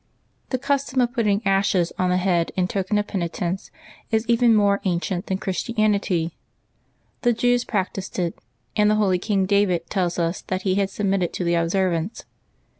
The custom of putting ashes on the head in token of penitence is even more ancient than Chris tianity; the Jews practised it, and the holy King David tells us that he had submitted to the observance.